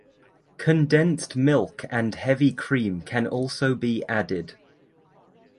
Condensed milk and heavy cream can also be added.